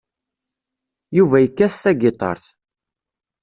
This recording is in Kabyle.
Yuba yekkat tagiṭart.